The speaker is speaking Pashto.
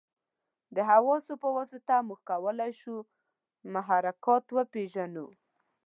د حواسو په واسطه موږ کولای شو محرکات وپېژنو.